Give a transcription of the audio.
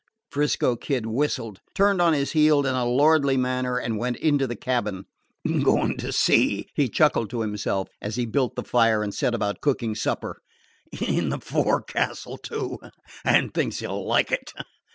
'Frisco Kid whistled, turned on his heel in a lordly manner, and went into the cabin. "Going to sea," he chuckled to himself as he built the fire and set about cooking supper; "in the 'forecastle,' too; and thinks he 'll like it."